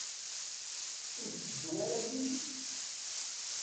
Ur tetteddu ara yid-m?